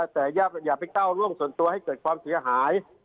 แต่อย่าไปก้าวร่วงส่วนตัวให้เกิดความเสียหาย